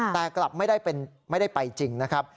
แต่กลับไม่ได้ไปจริงนะครับ